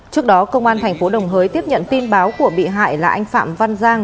trước đó công an tp đồng hới tiếp nhận tin báo của bị hại là anh phạm văn giang